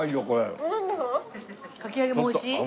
かき揚げも美味しい？